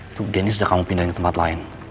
itu dennis udah kamu pindahin ke tempat lain